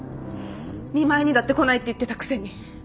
見舞いにだって来ないって言ってたくせに。